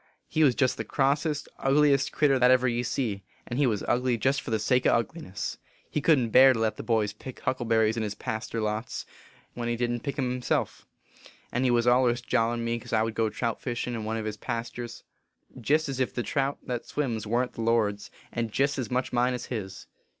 He was jest the Grossest, ugliest critter that ever ye see, and he was ugly jest for the sake o ugliness. He couldn t bear to let the boys pick huckleberries in his paster lots, when he didn t pick em himself; and he was allers jawin me cause I would go trout fishin in one o his pasters. Jest ez if the trout that swims warn t the Lord s, and jest ez much mine as his.